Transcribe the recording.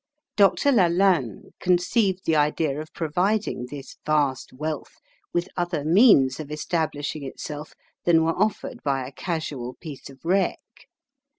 Dr. Lalanne conceived the idea of providing this vast wealth with other means of establishing itself than were offered by a casual piece of wreck.